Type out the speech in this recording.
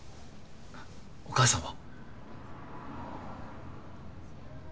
お母さんは？